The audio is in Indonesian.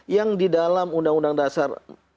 yang di dalam undang undang dasar